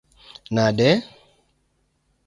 nade?